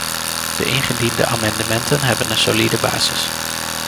De ingediende amendementen hebben een solide basis.